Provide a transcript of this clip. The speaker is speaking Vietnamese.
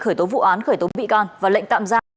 khởi tố vụ án khởi tố bị can và lệnh tạm giam